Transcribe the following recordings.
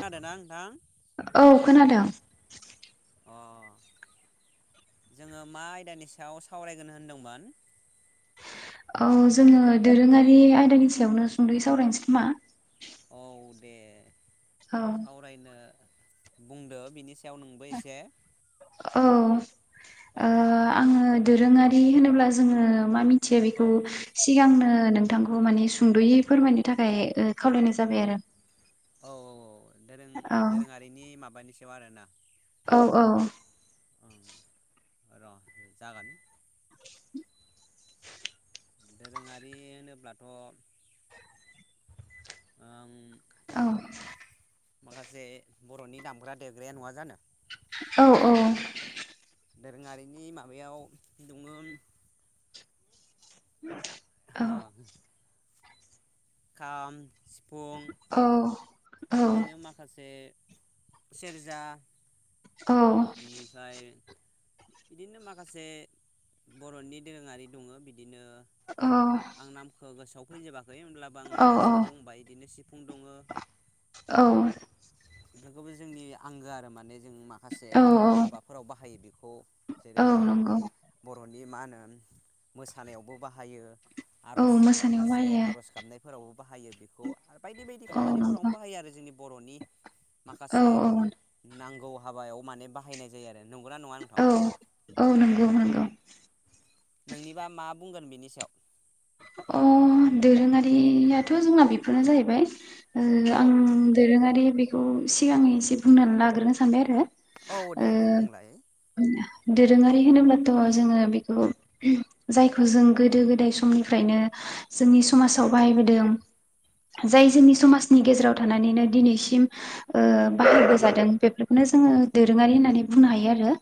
खोनादोंना नोंथां औ खोनादों। अ जोङो मा आयदानि सायाव सावरायगोन होनदोंमोन? औ जोङो दोरोङारि आयदानि सायावनो सुंद'यै सावरायनोसै खोमा। औ दे। औ सावरायनो बुंदो बिनि सायाव नोंबो एसे। औ औ ओ आङो दोरोङारि होनोब्ला जोङो मा मिथ थियो औ बेखौ सिगांनो ओ नोंथांखौ मानि सुंद'यै फोरमायनो थाखाय ओ खावलायनाय जाबाय आरो औ औ औ दोरों -दोरोङारिनि माबानि सायाव आरो ना औ औ ओं दोरोङारि होनोब्लाथ' ओं औ माखासे बर'नि दामग्रा देग्राया नङा जानो? औ औ दोरोङारिनि माबायाव दोङोम हों खाम सिफुं औ औ बिदिनो माखासे सेरजा औ इनिफ्राय बिदिनो माखासे बर'नि दोरोङारि दङो बि दिनो आं नामखो गोसोआव फैजोबा [inaudible] खै होनब्लाबो आं माखासेखौ बुंबाय इदिनो सिफुं दङो [inaudible] औ बेफोरखौबो जोंनि आंगो आरो माने [inaudible] जों माखासे औ हा-हाबाफोराव बाहायो बेखौ औ जेरै नंगौ बर' [inaudible] नि मा होनो मोसानायावबो बाहायो। औ आर'ज मोसानायाव माखासे बाहायो आर'ज गाबनायफोराव बाहायो बेखौ [inaudible] आरो बायदि बायदि औ नंगौ खामानिफोरावनो बाहायो आरो जोंनि [inaudible] बर'नि [inaudible] औ माखासे औ नांगौ हाबायाव माने बाहायनाय जायो आरो। नंगौना नङा नोंथां औ औ नंगौ नंगौ। नोंनिबा मा बुंगोन बेनि सायाव? अ दोरोङारियाथ' जोंना बेफोरनो जाहैबाय। ओ औ आं दोरोङारि बे खौ सिगां एसे बुंनानै लाग्रोनो सानबाय आरो। औ दे ओ दे बुंलाय। दोरोङारि होनोब्लाथ' जोङो बेखौ जायखौ जों गोदो गोदाय समनि फ्रायनो जोंनि समाजाव बाहायबोदों जाय जोंनि समाजनि गेजेराव थानानैनो दिनैसिम ओ बाहायबोजादों बेफोरखौनो जोङो दोरोङारि होननानै बुंनो हायो आरो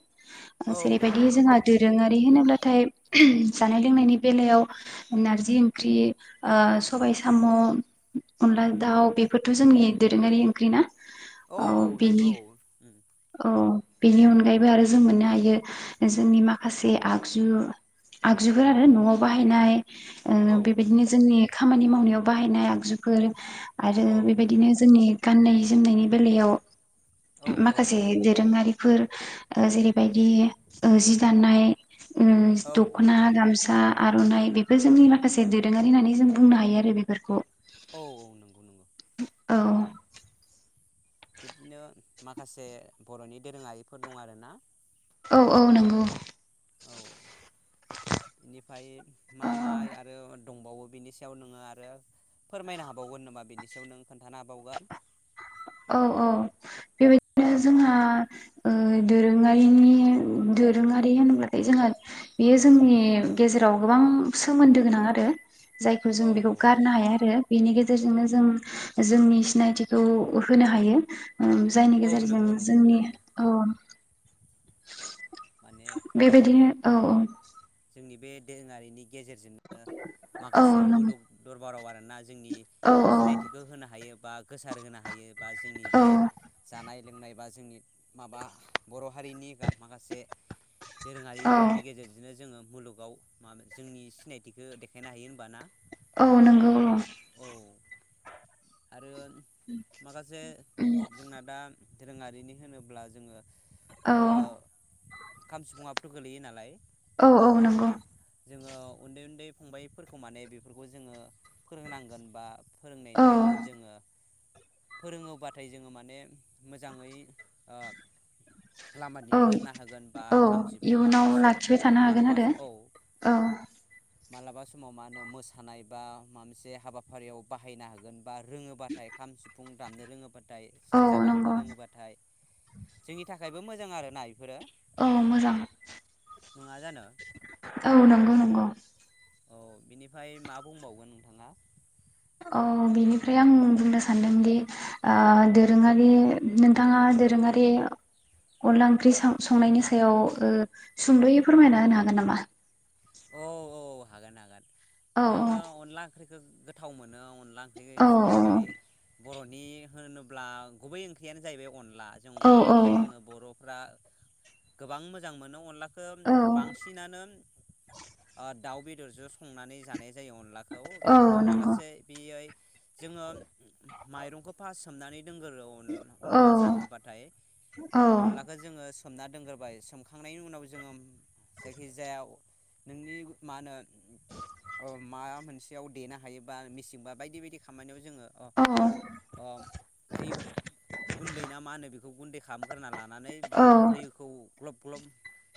औ नंगौ जेरैबायदि जोंहा नंगौ दोरोङारि होनोब्ला थाय जानाय लोंनायनि बेलायाव नारजि ओंख्रि ओ सबाय साम' अनला दाउ बेफोरथ' जोंनि दोरोङारि ओंख्रि ना। औ औ बिबो औ उम। [inaudible] अ बेनि अनगायैबो आरो जों मोननो हायो जोंनि माखासे आगजु आगजुफोर आरो न'आव बाहायनाय ओ औ बेबायदिनो जोंनि खामानि मावनायाव बाहायनाय आगजुफोर। आरो औ बेबायदिनो जोंनि गाननाय जोमनायनि बेलायाव। औ। खासे दोरोङारि फोर ओ जेरैबायदि ओ जि दानाय। उम औ औ दखना गामसा। आर'नाइ बेफोर जोंनि माखासे दोरोङारि होननानै जों बुंनो हायो आरो बेफोरखौ। औ। [inaudible] औ। बिदिनो माखासे बर'नि दोरोंङारिफोर दं आरोना। औ औ नोंगौ। निफाय मा औ माइ आरो। दंबावो बिनि सायाव नोङो आरो फोरमायनो हाबावगोन नोमा बिनि सायाव नों खोन्थानो हाबावगोन? औ औ बेबायदिनो जोंहा ओ- दोरोंङारिनि उम दोरोङारि होनोब्लाथाय जोंहा बेयो जोंनि गेजेराव गोबां सोमोन्दो गोनां आरो। जायखौ औ जों बेखौ औ औ गारनो हाया आरो बेनि गेज जेरथोंनो जों जोंनि सिनायथिखौ। अ होनो हायो। उम जायनि औ गेजेरजों नंगौ नंगौ जोंनि थारैनो अ। माने बेबायदिनो। औ औ। नि बे दोहोङारिनि। गेजेरजोंनो औ माखासे नंगौ मुलुग दरबाराव आरोना जोंनि सिनायथिखौ होनो हायो। बा गोसार होनो हायो। बा जोंनि औ बे जानाय लोंनाय बा जोंनि माबा बर' हारिनि। गाम- माखासे औ दोरोङारिफोरनि गेजेरजोंनो। जोङो मुलुगाव माब जोंनि सिनायथिखो देखायनो हायो होमबा ना? औ नोंगौ औ। आरो। उम। दोरोंङारिनि होनोब्ला जोङो। औ ओ- खाम सिफुङाबोथ' गोलैयो नालाय? औ औ नोंगौ। जोंङो उन्दै उन्दै फंबायफोरखौ माने बेफोरखौ जोङो। फोरोंनांगोन बा। औ फोरोंनायनि गेजेरजों जोङो। फोरोंङोबाथाय जोङो माने मोजाङै ओ। लामा औ दिन्थिलांनो हागोन बा औ खाम सिफुं इयुनाव माखासे लाखिबाय थानो हागोन मालाबा आरो सम औ। औ मालाबा समाव मा होनो मोसानाय बा। मा मोनसे हाबाफारियाव बाहायनो हागोन। बा रोङोबाथाय खाम सिफुं। रामनो रोङोबा थाय औ सेरजा दामनो नंगौ रोङोबाथाय। जोंनि थाखायबो मोजां आरो नाय औ मोजां नङा जानो औ नंगौ नंगौ औ बिनिफ्राय मा बुंबावगोन नोंथाङा? औ बिनिफ्राय आं बुंनो सानदोंदि ओ दोरोङारि नोंथाङा दोरोङारि अनला ओंख्रि संनायनि ओ सायाव सुंद'यै फोरमायना होनो हागोन नामा? औ औ हागोन हागोन। औ आङो अनला ओंखि गोथाव मोनो अनला ओंख्रि औ संनै बर'नि होनोब्ला गुबै ओंख्रियानो जाहैबाय अनला अनला जों औ औ अनलाखौ जोङो बर' फ्रा गोबां मोजां मोनो अनला [inaudible] औ बांसिनानो ओ दाउ बेदरजों संनानै जानाय अनलाखौ औ बिदिनो नंगौ माखासे बेय जोङो माइरंखौ फास सोमनानै दोनगोरो औ अनला जानोबाथाय औ अनलाखौ जोङो सोमना दोनग्रोबाय सोमखांनायनि उनाव जोङो जायखि जाया नोंनि मा होनो उम माबा मोनसेयाव देनो हायोबा मिसिंबा बायदि बायदि खामानियाव जोङो अ अ ओइ गुन्दै ना मा होनो बेखौ गुन्दै खालामग्रोना लानानै बा औ दैखौ ग्लब ग्लब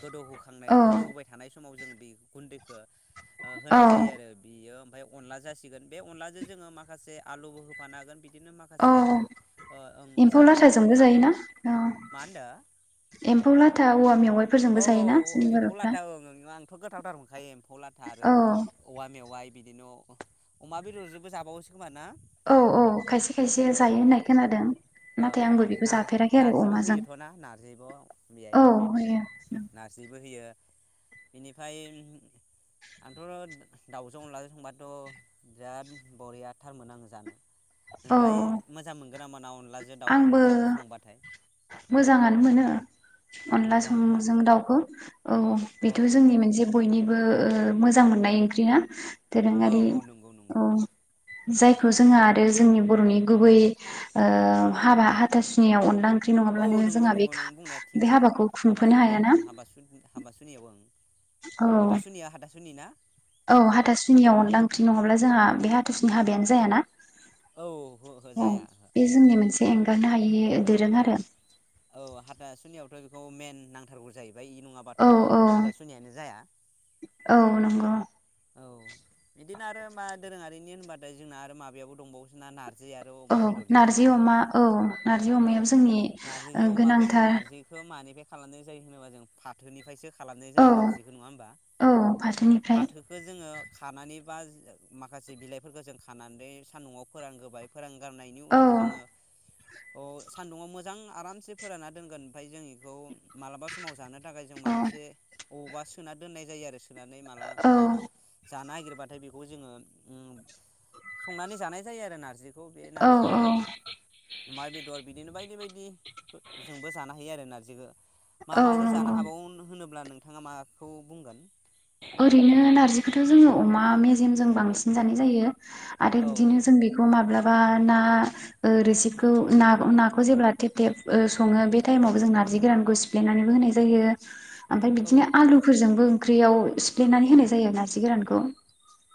गोदौहोखांनाय औ गोदौबाय थानाय समाव जों गुन्दैखो ओ होनाय जायो आरो बियो ओमफ्राय अनला जासिगोन बे अनलाजों जोङो माखासे आलुबो होफानो हागोन बिदिनो औ माखासे ओ ओं एम्फौ जाग्रा लाथाजोंबो गोखाबो जायोना औ मा होनदो एम्फौ लाथा औवा औ मेवाइफोरजोंबो जायोना जोंनि बर'फ्रा [unintelligible] एम्फौलाथा आरो औ औवा मेवाइ बिदिनो अमा बेदरजोंबो जाबावोसो खोमा ना औ औ खायसे खायसे जायो औ ओं होननाय खोनादों नाथाय ओं आंबो बेखौ जाफेराखै आरो नारजिबो अमाजों होयोथ'ना नारजिबो बेयाय औ होयो नारजिबो होयो बिनि ओमफ्राय आंथ' दाउजों अनलाजों संबाथ' बिराद बरिया थारमोन आङो जानो। औ नोंलाय मोजां मोन मोनगोनामोना अनलाजों दाउ जों संबाथाय? मोजांङानो मोनो अनला मोजाङानो ना संजों दाउखौ औ औ बेथ' जोंनि मोनसे बयनिबो ओ मोजां मोननाय ओंख्रिया औ दोरोङारि औ नंगौ औ नंगौ ओं जायखौ जों आरो जोंनि बर'नि गुबै ओ हाबा हाथासुनियाव अनदला ओं औ नंगौ नंगौ नों बुंनाया थिगानो, हाबाखौ हाबा खुंफोनो सुटि हायाना ओं हाबा सु-सुनियाव ओं। औ हाथा सुनिया हाथा सुनिना? औ हाथासुनियाव अनला ओंख्रि नङाब्ला जोंहा बे हाथासुनि हाबायानो जायाना। औ हो हो औ जाया हो बे जोंनि मोनसे गारनो हायि दोरों आरो। औ हाथासुनियावथ' बेखौ मेन नांथारगौ जायो। फ्राय इ नङाबाथ' औ औ हादासुनिानो जाया। औ नंगौ। औ बिदिनो आरो मा दोरोङारिनि होनबाथाय जोंना आरो माबायायावाबो दंबावोसोना नारजि आरो अमा औ बेदरजों नङा नारजि जानो अमा औ नारजि औ अमाबो जोंनि ओ नारजिजों अमाखौ जों गोनांथार नारजिखौ मानिफ्राय खालामनाय जायो होनोबा जों फाथोनिफायसो खालामनाय औ जायो नारजिखो नङा होमबा? औ फा फाथोनिफ्राय खो जोङो खानानै बा माखासे बिलाइफोरखो जों खानानै सान्दुंआव फोरानगोबाय फोरान गारनायनि औ उनाव जोङो अ सान्दुङाव मोजां आरामसे फोरानना दोनगोन ओमफ्राय जों इखौ मालाबा समाव जानो थाखाय जों माबा औ मोनसे अबावबा सोना दोननाय जायो आरो सोनानै औ ना जा नायगिर बाथाय बेखौ जोङो ओम संनानै जानाय जायो आरो नारजि औ औ। अमा बेदर बिदिनो बायदि बायदिजोंबो जानो हायो आरो नारजिखो। मा औ माजों नंगौ जानो हाबावनो होनो ब्ला नोंथाङा माखौ बुंगोन? ओरैनो नारजिखौथ' जोङो अमा मेजेमजों बांसिन जानाय जायो। आरो औ औ बिदिनो जों बेखौ माब्ला बा ना ओ रोसिखौ ना नाखौ जेब्ला थेब थेब ओ सङो बे टाइमावबो जों नारजि गोरानखौ सिफ्लेनानैबो होनाय जायो। ओमफ्राय औ बिदिनो आलुफोरजोंबो ओंख्रियाव सिफ्लेनानै होनाय जायो नारजि गोरानखौ।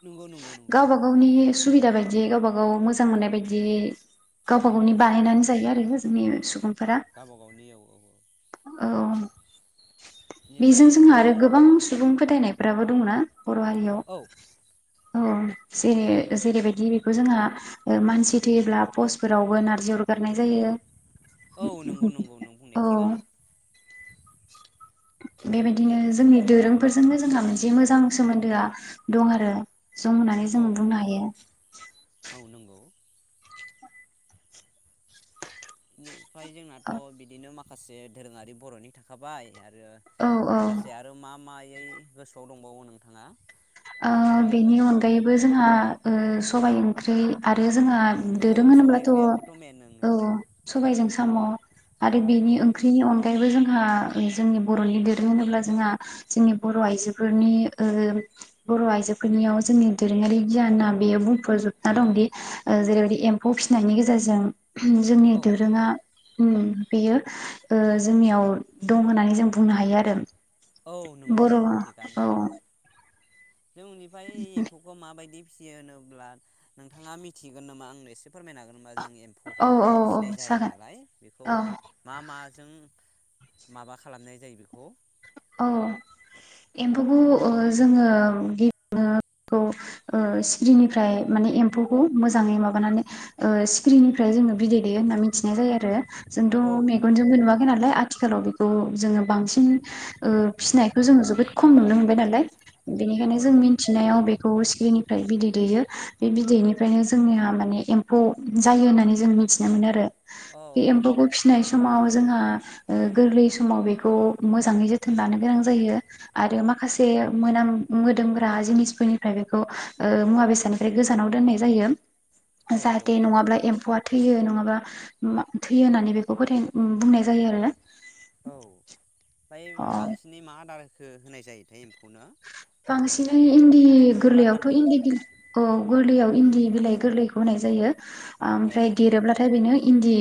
नंगौ नंगौ नंगौ गावबा औ। गावनि सुबिदा बायदि गावबा गाव मोजां मोननाय बायदि गावबा गावनि औ बानायनानै जायो आरो जोंनि सुबुंफोरा। गावबा गावनि औ औ औ बेनिफ्राय बेजों जोंहा आरो गोबां सुबुं फोथायनाय फोराबो दं ना? बर' हारियाव। औ औ जेरै जेरैबायदि बेखौ जोंहा मानसि थैयोब्ला पस्फोरावबो नारजि अरगारनाय जायो। औ नंगौ नंगौ नों बुंनाया औ थिगानो। बेबायदिनो जोंनि दोरोंफोरजोंनो जोंहा मोनसे मोजां सोमोन्दोआ दं आरो। जं होननानै औ जों बुंनो हायो। औ नंगौ बि ओमफ्राय जोंनाथ' औ बिदिनो माखा माखासे धोरोङारि बर'नि थाखाबाय ओ औ औ माखासे आरो मा मा गासै गोसोआव दंबावो नोंथाङा? ओ माखो माखो बेनि अनगायैबो जोंहा ओ सबाइ ओंख्रि आरो जोंहा औ दोरों औ सबाइ होनोब्लाथ' ओंख्रियाबोथ' मेन औ सबायाइजों साम' आरो बेनि ओं ओंख्रिनि अनगायैबो जों जोंहा जोंनि बर'नि दोरों होनोब्ला जोंहा जोंनि बर' आइजोफोरनि ओ बर' आइजोफोरनियाव जोंनि दोरोङारि गियाना बेयो बुंफबजोबना दंदि जेरैबायदि एम्फौ फिसिनायनि गेजेरजों उम जोंनि ओं औ दोरोङा उम बेयो ओ जोंनियाव दं होननानै जों बुंनो हायो आरो। औ नंगौ बर' औ नंगौ थिगानो। जों उननिफ्राय एम्फौखौ माबायदि फियो होनोब्ला नोंथाङा मिथिगोन नामा आंनो एसे फोरमायनो हागोन नामा? जों औ एम्फौखौथ' औ फिसिनाय जायो जागोन नालाय बेखौ औ मा मा माजों माबा खालामनाय जायो बेखौ औ एम्फौखौ ओ जोङो [unintelligible] ओ सिखिरिनिफ्राय माने एम्फौखौ मोजाङै माबानानै ओ सिख्रिनिफ्राय जोङो बिदै दैेयो होनना मिथिनाय जायो आरो जोंथ' औ नंगौ मेगनजोंबो नुवाखै नालाय? आथिखालाव बेखौ जोङो बांसिन ओ फिनायखौ जोङो जोबोद खम नुनो मोनबाय नालाय। बेनिखायनो औ जों मिथिनायाव बेखौ सिख्रिनिफ्राय बिदै दैेयो। बे बिदैनिफ्रायनो जोंनिया माने एम्फौ जायो होननानै जों मिथिना मोनो आरो। बे औ औ एम्फौखौ नंगौ फिनाय समाव जोंहा। ओ गोरलै समाव बेखौ मोजाङै जोथ थोन लानो गोनां जायो। आरो माखासे मोनाम मोदोमग्रा जिनिसफोरनिफ्राय बेखौ ओ मुवा बेसादनिफ्राय गोजानाव दोननाय जायो। औ जाहाथे नङाब्ला एम्फौआ थैयो नङाबा मा थैयो होननानै बेखौ फोथाय ओय बुंनाय जायो आरो ना। औ फ्राय बांसिनै मा आदार? हो-होनाय जायोथाय एम्फौनो? बांसिनै इन्दि एम्फौ गोरलैयावथ' लाथानो इन्दि औ गोरलैयाव इन्दि बिलाइ गोरलै होनाय जायो। अ ओमफ्राय देरोब्लाथाय बेनो। इन्दि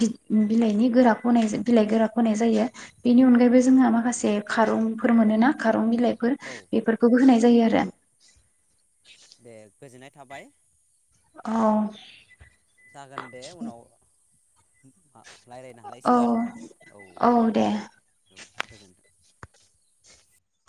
बिद बिलाइनि गोराखौ होनाय बिलाइ गोराखौ होनाय जायो। बेनि अनगायैबो जोंहा माखासे खारंफोर मोनोना खारं बिलाइ औ बेफोरखौबो होनाय जायो आरो। दे गोजोननाय थाबाय। अ' जागोन दे उनाव। आ रायलायनो औ हालायसिगोन औ दे औ गोजोनथों।